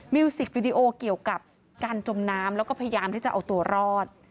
สิกวิดีโอเกี่ยวกับการจมน้ำแล้วก็พยายามที่จะเอาตัวรอด